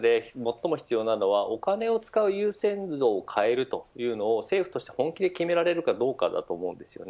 少子化対策で最も必要なのはお金を使う優先度を変えるというのを政府として本気で決められるかどうかだと思うのです。